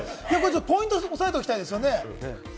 ポイントを押さえておきたいですね。